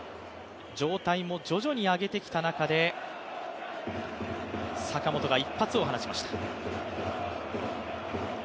状態も徐々に上げてきた中で坂本が一発を放ちました。